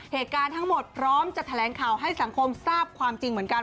เหตุการณ์ทั้งหมดพร้อมจะแถลงข่าวให้สังคมทราบความจริงเหมือนกัน